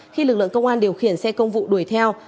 khi lực lượng công an điều khiển xe công vụ đuổi theo